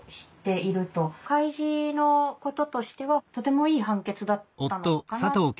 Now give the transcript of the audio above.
開示のこととしてはとてもいい判決だったのかな。